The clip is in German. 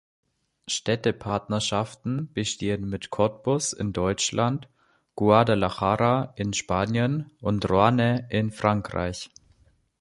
Städtepartnerschaften bestehen mit Cottbus in Deutschland, Guadalajara in Spanien und Roanne in Frankreich.